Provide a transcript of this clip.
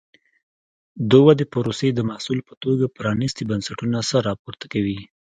د ودې پروسې د محصول په توګه پرانیستي بنسټونه سر راپورته کوي.